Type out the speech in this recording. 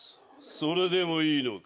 それでもいいのか？